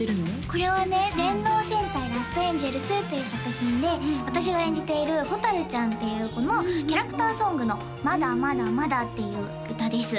これはね「電脳戦隊ラストエンジェルス」っていう作品で私が演じている蛍ちゃんっていう子のキャラクターソングの「まだ・まだ・まだ」っていう歌です